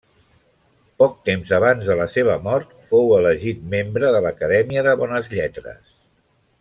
Poc temps abans de la seva mort fou elegit membre de l'Acadèmia de Bones Lletres.